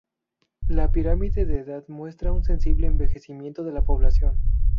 La pirámide de edad muestra un sensible envejecimiento de la población.